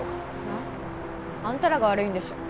あっ？あんたらが悪いんでしょ。